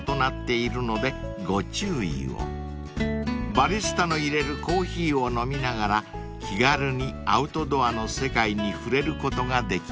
［バリスタの入れるコーヒーを飲みながら気軽にアウトドアの世界に触れることができます］